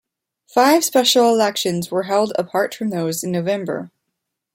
Five special elections were held apart from those in November.